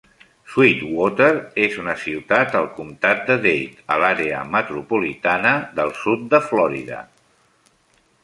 Sweetwater és una ciutat al comtat de Dade, a l'àrea metropolitana del sud de Florida.